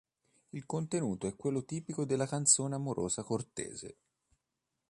Il contenuto è quello tipico della canzone amorosa cortese.